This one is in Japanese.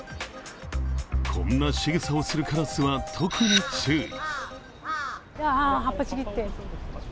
こんなしぐさをするカラスは特に注意。